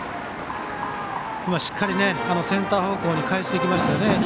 しっかりセンター方向に返していきましたね。